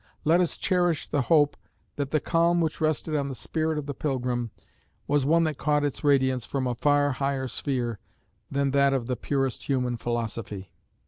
Let us cherish the hope that the calm which rested on the spirit of the pilgrim ... was one that caught its radiance from a far higher sphere than that of the purest human philosophy.